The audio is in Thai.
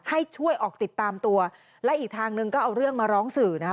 ให้ช่วยออกติดตามตัวและอีกทางหนึ่งก็เอาเรื่องมาร้องสื่อนะคะ